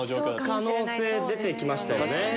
可能性出て来ましたよね。